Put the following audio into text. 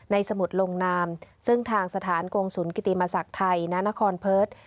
สมุดลงนามซึ่งทางสถานกงศูนย์กิติมศักดิ์ไทยณนครเพิร์ต